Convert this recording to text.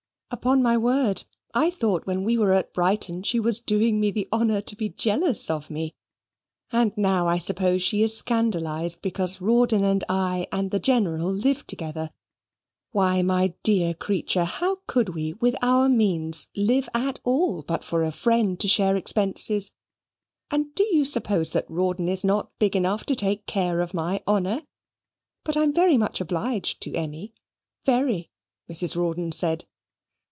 "Upon my word, I thought when we were at Brighton she was doing me the honour to be jealous of me; and now I suppose she is scandalised because Rawdon, and I, and the General live together. Why, my dear creature, how could we, with our means, live at all, but for a friend to share expenses? And do you suppose that Rawdon is not big enough to take care of my honour? But I'm very much obliged to Emmy, very," Mrs. Rawdon said.